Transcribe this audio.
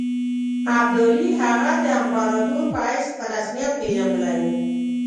ابدالي هغه د امپراطور په حیث په رسمیت پېژندلی وو.